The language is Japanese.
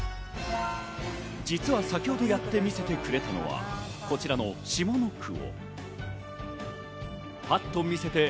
実は先ほどやって見せてくれたのはこちらの下の句。